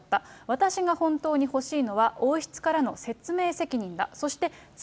私が本当に欲しいのは、王室からの説明責任だ。